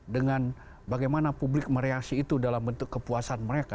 dengan bagaimana publik mereaksi itu dalam bentuk kepuasan mereka